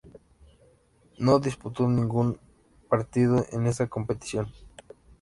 No disputó ningún partido en esta competición.